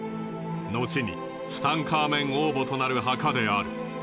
後にツタンカーメン王墓となる墓である。